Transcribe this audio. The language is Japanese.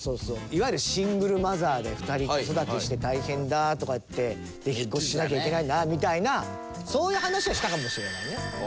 いわゆるシングルマザーで２人子育てして大変だとかって引っ越ししなきゃいけないんだみたいなそういう話はしたかもしれないね。